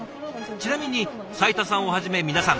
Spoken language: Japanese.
ちなみに斉田さんをはじめ皆さん